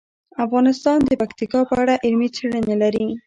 افغانستان د پکتیکا په اړه علمي څېړنې لري.